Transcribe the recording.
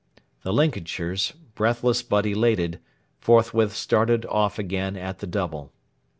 The Lincolnshires, breathless but elated, forthwith started off again at the double.